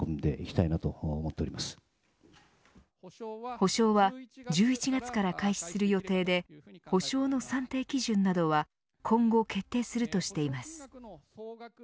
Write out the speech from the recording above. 補償は１１月から開始する予定で補償の算定基準などは今後決定するとしています。